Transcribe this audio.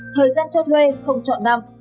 thời gian cho thuê không trọn năm